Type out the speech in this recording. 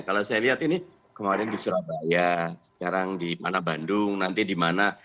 kalau saya lihat ini kemarin di surabaya sekarang di mana bandung nanti di mana